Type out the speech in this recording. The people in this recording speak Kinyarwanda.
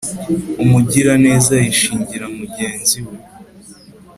Umugiraneza yishingira mugenzi we,